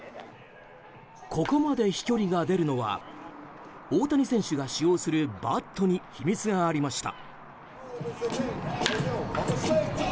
ここまで飛距離が出るのは大谷選手が使用するバットに秘密がありました。